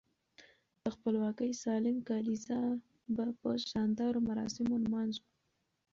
د خپلواکۍ سلم کاليزه به په شاندارو مراسمو نمانځو.